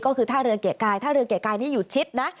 ก็คือท่าเรือเกะกายท่าเรือเกะกายนี่อยู่ชิดนะ